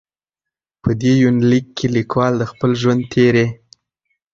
په دې یونلیک کې لیکوال د خپل ژوند تېرې.